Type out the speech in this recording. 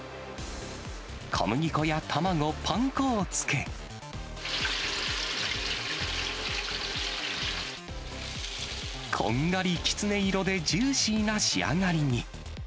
小麦粉や卵、パン粉をつけ、こんがりきつね色でジューシーな仕上がりに。